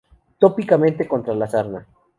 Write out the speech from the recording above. Tópicamente contra la sarna.